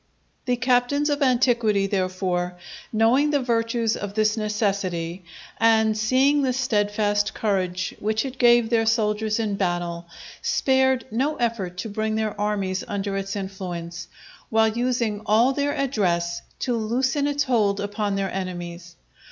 The captains of antiquity, therefore, knowing the virtues of this necessity, and seeing the steadfast courage which it gave their soldiers in battle, spared no effort to bring their armies under its influence, while using all their address to loosen its hold upon their enemies.